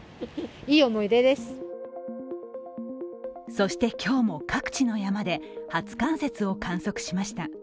そして、今日も各地の山で初冠雪を観測しました。